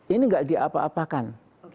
ini gak diapa apakan